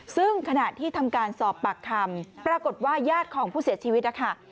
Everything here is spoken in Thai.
ซึ่งขณะที่ทำการสอบปากคำปรากฏว่าญาติของผู้เสียชีวิตนะคะ